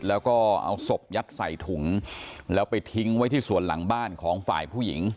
แล้วก็เอาศพยัดใส่ถุงแล้วไปทิ้งไว้ที่ส่วนหลังบ้านของฝ่ายผู้หญิง